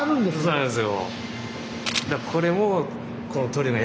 そうなんですよ。